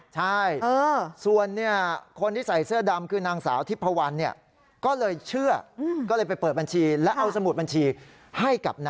ใช่ส่วนคนที่ใส่เสื้อดำคือนางสาวทิพะวัน